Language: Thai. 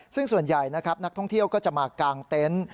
ซึ่งส่วนใหญ่นะครับนักท่องเที่ยวก็จะมากางเต็นต์